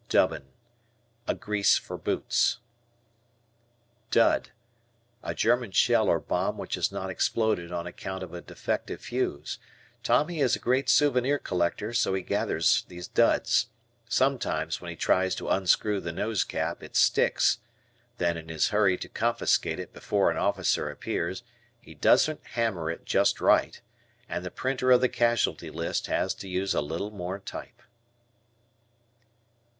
Dubbin. A grease for boots. Dud. A German shell or bomb which has not exploded on account of a defective fuse. Tommy is a great souvenir collector so he gathers these "duds." Sometimes when he tries to unscrew the nose cap it sticks. Then in his hurry to confiscate it before an officer appears he doesn't hammer it just right and the printer of the casualty list has to use a little more type.